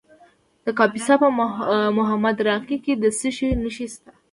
د کاپیسا په محمود راقي کې د څه شي نښې دي؟